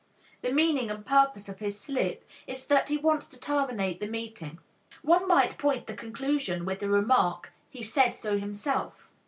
The meaning and purpose of his slip is that he wants to terminate the meeting. One might point the conclusion with the remark "he said so himself."